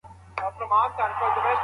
ایا افغان سوداګر بادام پلوري؟